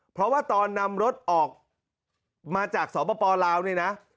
เพราะว่าตอนนำรถออกมาจากสปลาวนี่นะ